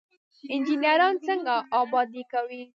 انجنیران څنګه ابادي کوي؟